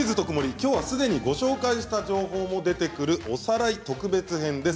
きょうはすでにご紹介した情報も出てくるおさらい特別編です。